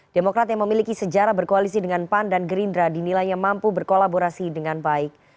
demokrat yang memiliki sejarah berkoalisi dengan pan dan gerindra dinilainya mampu berkolaborasi dengan baik